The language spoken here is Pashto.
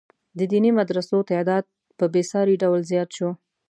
د دیني مدرسو تعداد په بې ساري ډول زیات شو.